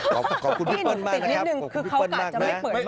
ขอบคุณพี่เปิ้ลมากนะครับขอบคุณพี่เปิ้ลมากนะครับ